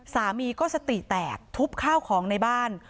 สามีก็สติแตกทุบข้าวของในบ้าน